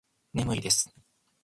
眠いです